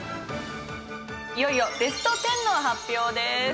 いよいよベスト１０の発表です。